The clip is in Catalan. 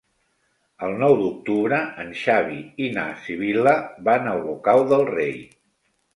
El nou d'octubre en Xavi i na Sibil·la van a Olocau del Rei.